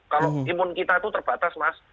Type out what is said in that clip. kalau imun kita itu terbatas mas